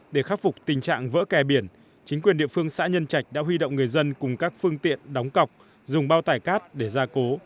để khắc phục tình trạng vỡ kè biển chính quyền địa phương xã nhân trạch đã huy động người dân cùng các phương tiện đóng cọc dùng bao tải cát để ra cố